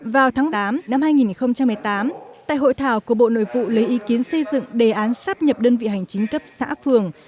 vào tháng tám năm hai nghìn một mươi tám tại hội thảo của bộ nội vụ lấy ý kiến xây dựng đề án sắp nhập đơn vị hành chính cấp xã phường